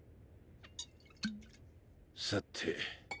さて。